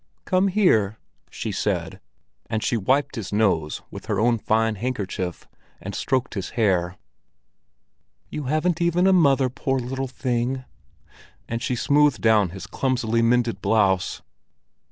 "Come here!" she said, and she wiped his nose with her own fine handkerchief, and stroked his hair. "You haven't even a mother, poor little thing!" And she smoothed down his clumsily mended blouse.